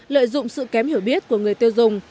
lợi dụng sự kém hiểu biết của người tiêu dùng